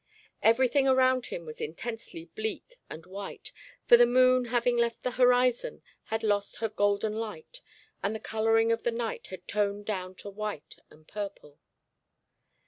Everything around him was intensely bleak and white, for the moon, having left the horizon, had lost her golden light, and the colouring of the night had toned down to white and purple.